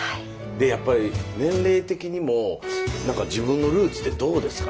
でやっぱり年齢的にもなんか自分のルーツってどうですか。